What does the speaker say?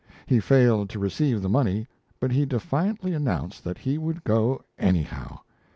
He failed to receive the money, but he defiantly announced that he would go "anyhow."